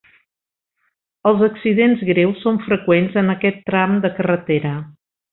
Els accidents greus són freqüents en aquest tram de carretera.